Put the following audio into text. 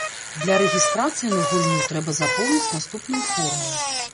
Для рэгістрацыі на гульню трэба запоўніць наступную форму.